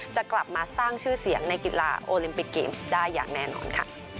จะกลับมาสร้างชื่อเสียงในกีฬาโอลิมปิกเกมส์ได้อย่างแน่นอนค่ะ